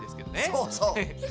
そうそう。